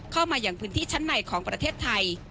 อย่างพื้นที่ชั้นในของประเทศไทย